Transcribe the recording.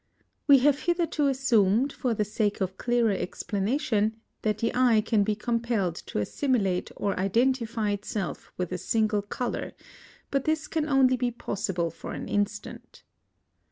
We have hitherto assumed, for the sake of clearer explanation, that the eye can be compelled to assimilate or identify itself with a single colour; but this can only be possible for an instant.